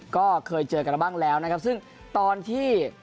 ก็เคยเจอกันมาบ้างแล้วนะครับซึ่งตอนที่